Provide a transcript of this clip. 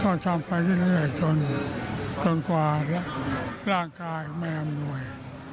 คือทำไปเรื่อยกว่าร่างชายไม่อำนวย